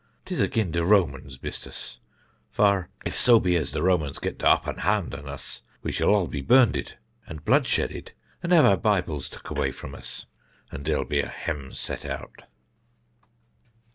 'Tis agin de Romans, mistus; for if so be as de Romans gets de upper harnd an us, we shall be burnded, and bloodshedded, and have our Bibles took away from us, and dere'll be a hem set out."